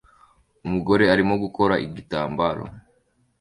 Umugore arimo gukora igitambaro